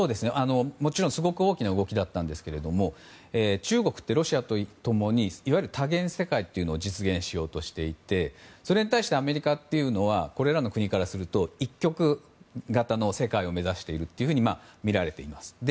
もちろんすごく大きな動きだったんですが中国はロシアと共にいわゆる多元世界というものを実現しようとしていてそれに対してアメリカはこれらの国からすると一極型の世界を目指しているとみられています。